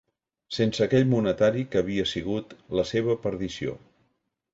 Sense aquell monetari que havia sigut la seva perdició.